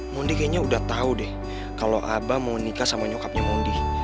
mondi kayaknya udah tau deh kalo abah mau nikah sama nyokapnya mondi